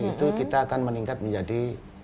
itu kita akan meningkat menjadi